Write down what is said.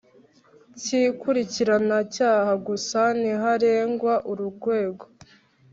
Cy ikurikiranacyaha gusa ntiharegwa urwego